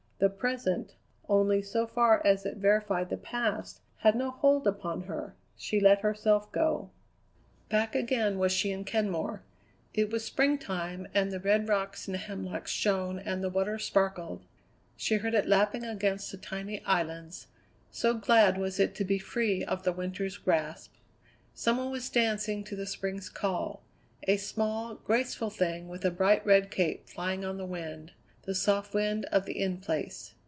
The present, only so far as it verified the past, had no hold upon her; she let herself go. Back again was she in Kenmore. It was springtime, and the red rocks and hemlocks shone and the water sparkled; she heard it lapping against the tiny islands, so glad was it to be free of the winter's grasp. Some one was dancing to the Spring's Call a small, graceful thing with a bright red cape flying on the wind, the soft wind of the In Place.